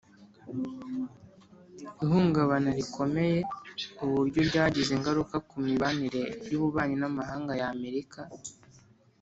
ihungabana rikomeye: uburyo ryagize ingaruka ku mibanire y’ububanyi n’amahanga ya amerika